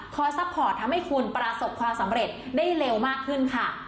ซัพพอร์ตทำให้คุณประสบความสำเร็จได้เร็วมากขึ้นค่ะ